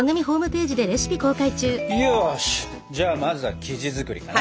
よしじゃあまずは生地作りかな。